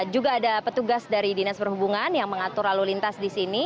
juga ada petugas dari dinas perhubungan yang mengatur lalu lintas di sini